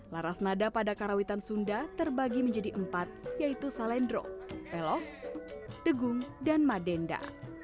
laras nada pada karawitan sunda terbagi menjadi empat yaitu salendro pelok tegung dan madenda